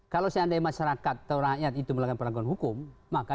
kalau seandainya masyarakat atau rakyat